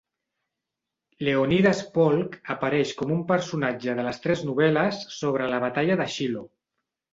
Leonidas Polk apareix com un personatge de les tres novel·les sobre la Batalla de Shiloh.